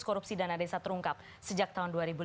korupsi dana desa terungkap sejak tahun